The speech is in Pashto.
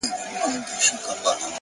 د حقیقت رڼا شکونه کموي.!